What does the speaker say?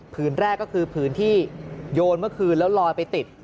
แรกก็คือผืนที่โยนเมื่อคืนแล้วลอยไปติด